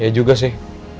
ya juga sih